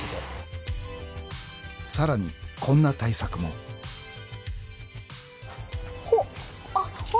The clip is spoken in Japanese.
［さらにこんな対策も］ほっ！